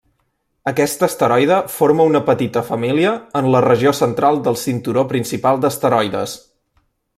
Aquest asteroide forma una petita família en la regió central del cinturó principal d'asteroides.